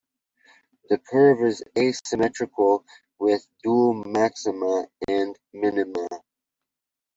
The curve is asymmetrical with dual maxima and minima.